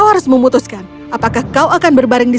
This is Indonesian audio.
kau harus memutuskan apakah kau akan menang atau tidak